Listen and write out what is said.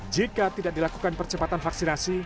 jika tidak dilakukan percepatan vaksinasi